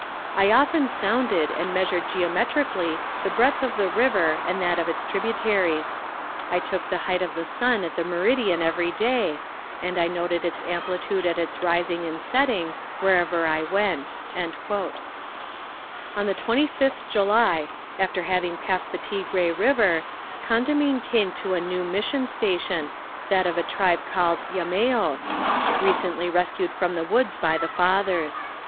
I often sounded, and measured geometrically the breadth of the river and that of its tributaries. I took the height of the sun at the meridian every day, and I noted its amplitude at its rising and setting, wherever I went." On the 25th July, after having passed the Tigre River, Condamine came to a new mission station, that of a tribe called Yameos, recently rescued from the woods by the Fathers.